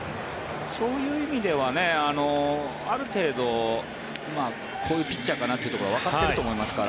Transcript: そういう意味ではある程度こういうピッチャーかなというのはわかっていると思いますから。